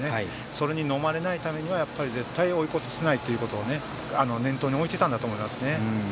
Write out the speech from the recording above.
それにのまれないためには絶対に追い越させないということを念頭に置いていたんだと思いますね。